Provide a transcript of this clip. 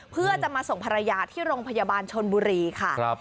เพื่อจะมาส่งภรรยาที่โรงพยาบาลชนบุรีค่ะ